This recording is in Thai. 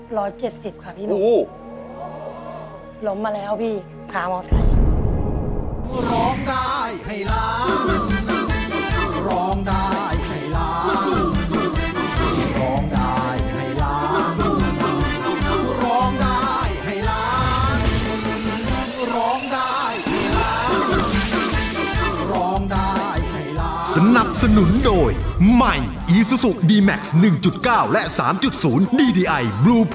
ร้อยเจ็ดสิบค่ะพี่หนูล้มมาแล้วพี่พร้อมเอาใส่